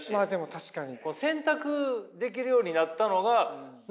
確かにね。